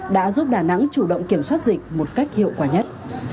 đã giúp đà nẵng chủ động kiểm soát dịch một cách hiệu quả nhất